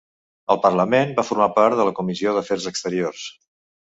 Al Parlament, va formar part de la Comissió d'Afers Exteriors.